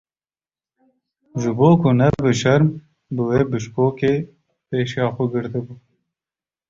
Ji bo ku nebe şerm bi wê bişkokê pêşiya xwe girtibû.